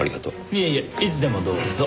いえいえいつでもどうぞ。